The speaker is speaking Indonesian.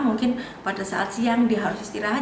mungkin pada saat siang dia harus istirahat